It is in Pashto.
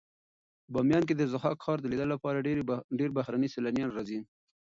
بامیان کې د ضحاک ښار د لیدلو لپاره ډېر بهرني سېلانیان راځي.